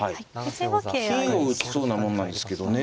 金を打ちそうなもんなんですけどね。